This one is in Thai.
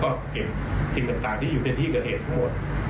เพราะฉะนั้นในวันนี้ก็เลยต้องแยกข้อประทานให้ทุกคนรู้สึกว่า